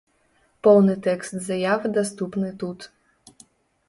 Поўны тэкст заявы даступны тут.